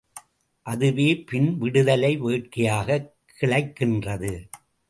அதுவே பின் விடுதலை வேட்கையாகக் கிளைக்கின்றது.